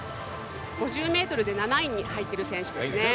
５０ｍで７位に入っている選手ですね。